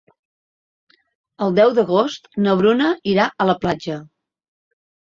El deu d'agost na Bruna irà a la platja.